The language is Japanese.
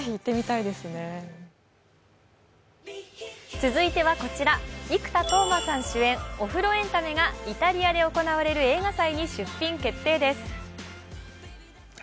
続いてはこちら生田斗真さん主演お風呂エンタメがイタリアで行われる映画祭に出品決定です。